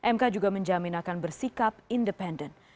mk juga menjamin akan bersikap independen